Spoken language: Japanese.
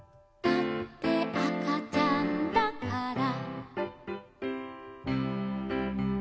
「だってあかちゃんだから」